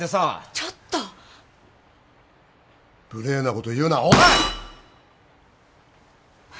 ちょっと無礼なことを言うなおい！